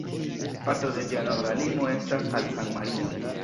Parto de ĝia norda limo estas al San-Marino.